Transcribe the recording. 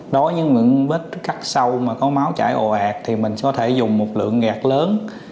đối với những vết cắt sâu mà có máu chảy ồ ạt thì mình có thể dùng một lượng gạt lớn